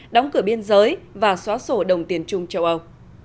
đóng cửa biên giới và xóa sổ đồng tiền chung châu âu